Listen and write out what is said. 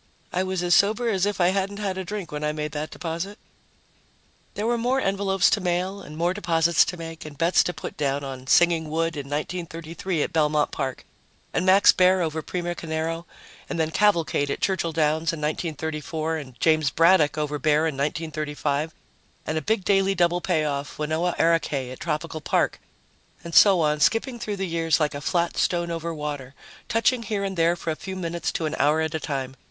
I was as sober as if I hadn't had a drink, when I made that deposit. There were more envelopes to mail and more deposits to make and bets to put down on Singing Wood in 1933 at Belmont Park and Max Baer over Primo Carnera, and then Cavalcade at Churchill Downs in 1934, and James Braddock over Baer in 1935, and a big daily double payoff, Wanoah Arakay at Tropical Park, and so on, skipping through the years like a flat stone over water, touching here and there for a few minutes to an hour at a time.